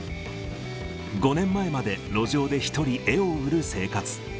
５年前まで路上で１人絵を売る生活。